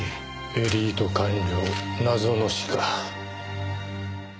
エリート官僚謎の死か。